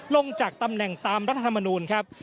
ลงจากตำแหน่งตามรัฐธรรมนูลครับ